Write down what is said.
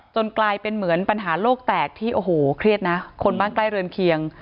กลายเป็นเหมือนปัญหาโลกแตกที่โอ้โหเครียดนะคนบ้านใกล้เรือนเคียง